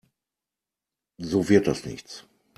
So wird das nichts.